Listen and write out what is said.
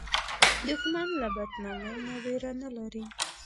دښمن له بدنامۍ نه ویره نه لري